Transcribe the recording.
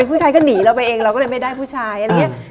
ผู้ชายก็หนีเราไปเองเราก็เลยไม่ได้ผู้ชายอะไรอย่างนี้